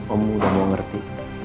om udah mau ngerti